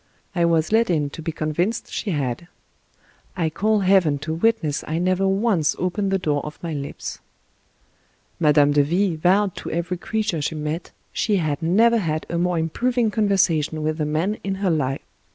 I was let in to be convinced she had. I call Heaven to witness I never once opened the door of my lips. Mme. de V vowed to every creature she met, " She had never had a more improving conversation with a man in her life."